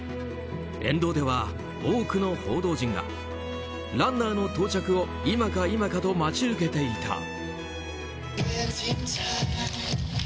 沿道では、多くの報道陣がランナーの到着を今か今かと待ち受けていた。